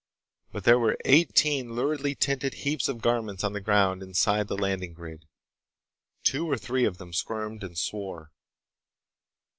But there were eighteen luridly tinted heaps of garments on the ground inside the landing grid. Two or three of them squirmed and swore.